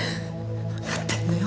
わかってんのよ。